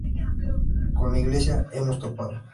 Con la iglesia hemos topado